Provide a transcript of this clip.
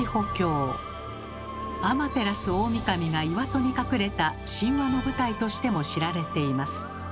天照大神が岩戸に隠れた神話の舞台としても知られています。